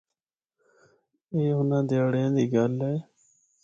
اے اُنھان دیہاڑیاں دی گل اے۔